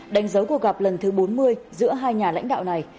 đánh dấu cuộc gặp lần thứ bốn mươi giữa hai nhà lãnh đạo này